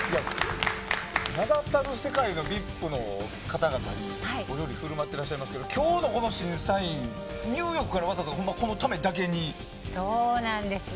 名だたる世界のＶＩＰの方々にお料理を振る舞っていますけれども今日のこの審査員ニューヨークからわざわざそうなんです。